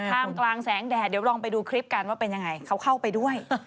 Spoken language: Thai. มกลางแสงแดดเดี๋ยวลองไปดูคลิปกันว่าเป็นยังไงเขาเข้าไปด้วย